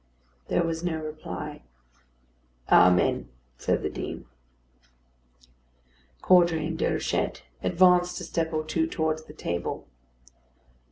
There was no reply. "Amen!" said the Dean. Caudray and Déruchette advanced a step or two towards the table.